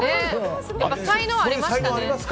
才能ありましたね。